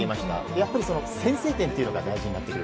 やっぱり先制点というのが大事になってくる。